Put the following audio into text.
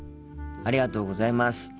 ありがとうございます。